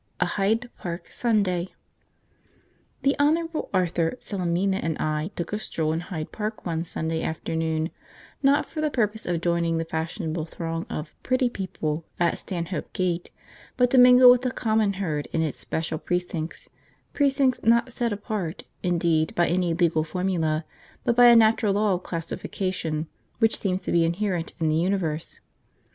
A Hyde Park Sunday. The Honourable Arthur, Salemina, and I took a stroll in Hyde Park one Sunday afternoon, not for the purpose of joining the fashionable throng of 'pretty people' at Stanhope Gate, but to mingle with the common herd in its special precincts, precincts not set apart, indeed, by any legal formula, but by a natural law of classification which seems to be inherent in the universe.